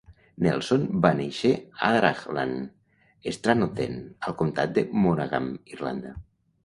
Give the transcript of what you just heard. Nelson va néixer a Deraghland, Stranooden, al comtat de Monagham (Irlanda).